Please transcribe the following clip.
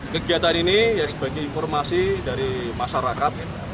kegiatan ini ya sebagai informasi dari masyarakat